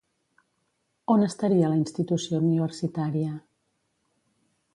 On estaria la institució universitària?